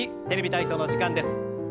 「テレビ体操」の時間です。